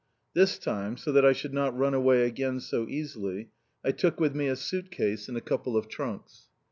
This time, so that I should not run away again so easily, I took with me a suit case, and a couple of trunks.